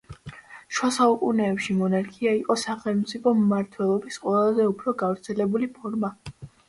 შუა საუკუნეებში მონარქია იყო სახელმწიფო მმართველობის ყველაზე უფრო გავრცელებული ფორმა.